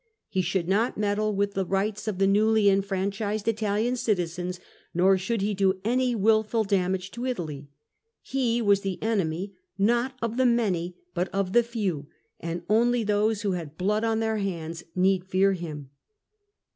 He should not meddle with the rights of the newly enfranchised Italian citizens, nor should he do any wilful damage to Italy. He was the enemy, not of the many, but of the few, and only those who had blood on their hands need fear him.